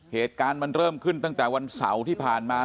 เหตุการณ์มันเริ่มขึ้นตั้งแต่วันเสาร์ที่ผ่านมา